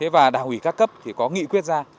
và đảng ủy các cấp có nghị quyết ra